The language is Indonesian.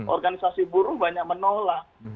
organisasi buruh banyak menolak